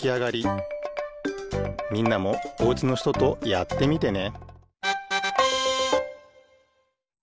みんなもおうちのひととやってみてね